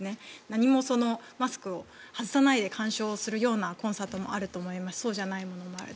何もマスクを外さないで鑑賞するようなコンサートもあるしそうじゃないものもある。